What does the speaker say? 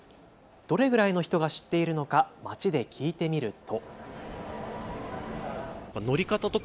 どれぐらいの人が知っているのか街で聞いてみると。